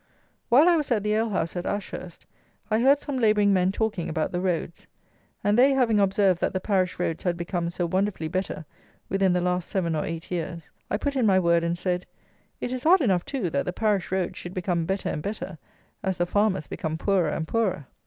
While I was at the alehouse at Ashurst, I heard some labouring men talking about the roads; and they having observed that the parish roads had become so wonderfully better within the last seven or eight years, I put in my word, and said: "It is odd enough, too, that the parish roads should become better and better as the farmers become poorer and poorer!"